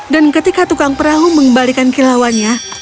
dan ketika tukang perahu mengembalikan kilauannya